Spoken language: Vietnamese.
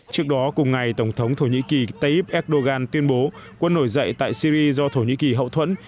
trước đó cùng ngày tổng thống thổ nhĩ kỳ tayyip erdogan tuyên bố quân nổi dậy tại syri do thổ nhĩ kỳ hậu thuẫn